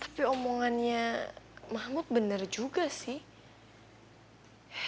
tapi omongannya mahmud benar juga sih